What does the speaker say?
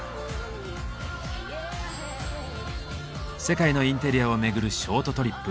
世界のインテリアを巡るショートトリップ。